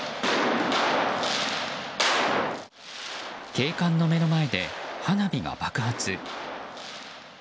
警官の目の前で花火が爆発。